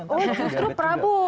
oh justru prabu